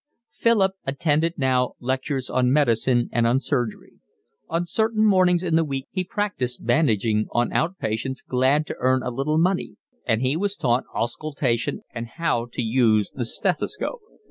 Philip attended now lectures on medicine and on surgery. On certain mornings in the week he practised bandaging on out patients glad to earn a little money, and he was taught auscultation and how to use the stethoscope.